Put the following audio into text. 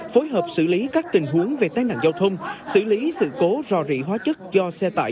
phối hợp xử lý các tình huống về tai nạn giao thông xử lý sự cố rò rỉ hóa chất do xe tải